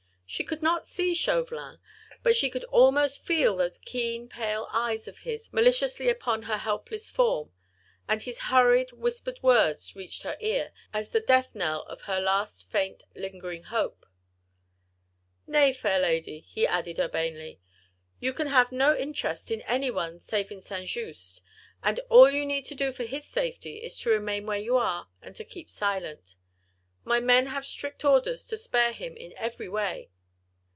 She could not see Chauvelin, but she could almost feel those keen, pale eyes of his fixed maliciously upon her helpless form, and his hurried, whispered words reached her ear, as the death knell of her last faint, lingering hope. "Nay, fair lady," he added urbanely, "you can have no interest in anyone save in St. Just, and all you need do for his safety is to remain where you are, and to keep silent. My men have strict orders to spare him in every way.